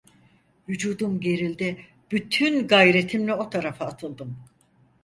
Vücudum gerildi, bütün gayretimle o tarafa atıldım.